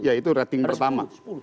ya itu rating pertama